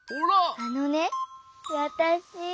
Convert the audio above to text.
あのねわたし。